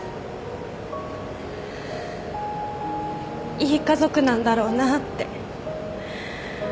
いい家族なんだろうなって。